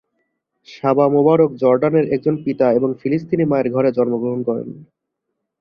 সাবা Mubarak জর্ডানের একজন পিতার এবং ফিলিস্তিনি মায়ের ঘরে জন্মগ্রহণ করেন।